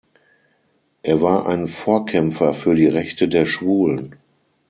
Er war ein Vorkämpfer für die Rechte der Schwulen.